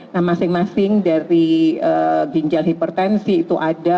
nah masing masing dari ginjal hipertensi itu ada